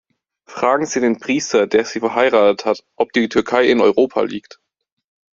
Fragen Sie den Priester, der Sie verheiratet hat, ob die Türkei in Europa liegt.